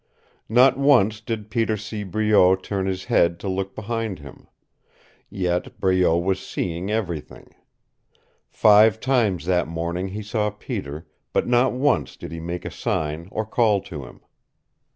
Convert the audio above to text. Not once did Peter see Breault turn his head to look behind him. Yet Breault was seeing everything. Five times that morning he saw Peter, but not once did he make a sign or call to him.